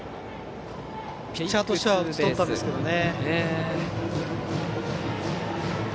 ピッチャーとしては打ち取ったんですがね。